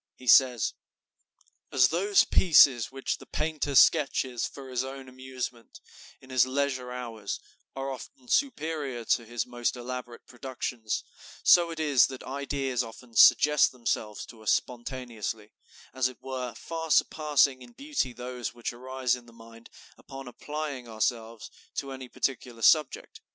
He says: "As those pieces which the painter sketches for his own amusement, in his leisure hours, are often superior to his most elaborate productions, so it is that ideas often suggest themselves to us spontaneously, as it were, far surpassing in beauty those which arise in the mind upon applying ourselves to any particular subject.